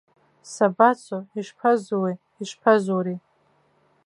Сабацо, ишԥазуеи, ишԥазури!